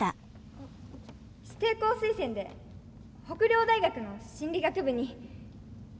指定校推薦で北陵大学の心理学部に。